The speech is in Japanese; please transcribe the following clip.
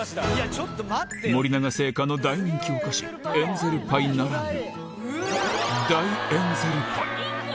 森永製菓の大人気お菓子、エンゼルパイならぬ、大エンゼルパイ。